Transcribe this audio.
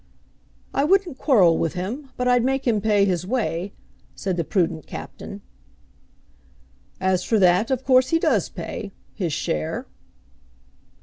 "I wouldn't quarrel with him, but I'd make him pay his way," said the prudent Captain. "As for that, of course he does pay his share."